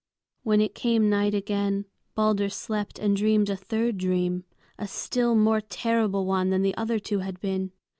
When it came night again Balder slept and dreamed a third dream, a still more terrible one than the other two had been.